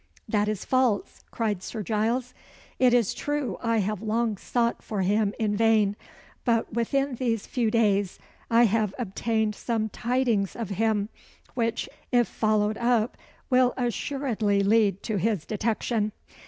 "That is false," cried Sir Giles. "It is true I have long sought for him in vain but within these few days I have obtained some tidings of him, which, if followed up, will assuredly lead to his detection.